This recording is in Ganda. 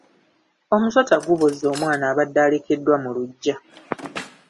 Omusota gubozze omwana abadde alekeddwa mu lugya.